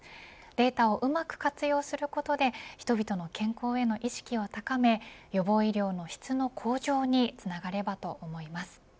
データをうまく活用することで人々の健康への意識を高め予防医療の質の向上につながればと思います。